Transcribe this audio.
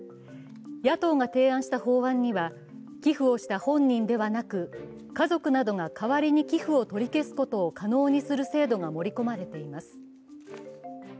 野党が提案した法案には、寄付をした本人ではなく家族などが代わりに寄付を取り消すことを可能にする制度が盛り込まれています。